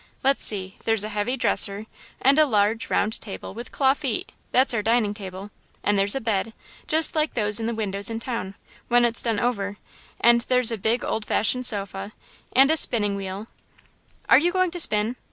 Let's see there's a heavy dresser, and a large, round table, with claw feet that's our dining table, and there's a bed, just like those in the windows in town, when it's done over, and there's a big old fashioned sofa, and a spinning wheel " "Are you going to spin?"